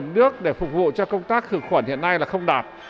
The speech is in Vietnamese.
nước để phục vụ cho công tác khử khuẩn hiện nay là không đạt